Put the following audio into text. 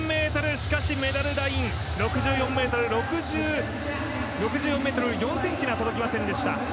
しかし、メダルライン６４ｍ４ｃｍには届きませんでした。